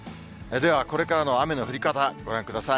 ではこれからの雨の降り方、ご覧ください。